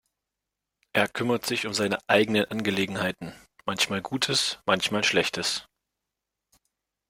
Er kümmert sich um seine eigenen Angelegenheiten, manchmal Gutes, manchmal Schlechtes.